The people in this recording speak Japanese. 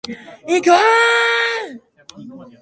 いこーーーーーーぉ